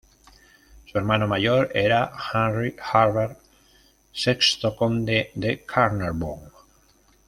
Su hermano mayor era Henry Herbert, sexto conde de Carnarvon.